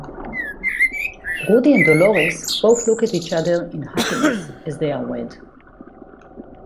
Rudy and Dolores both look at each other in happiness as they are wed.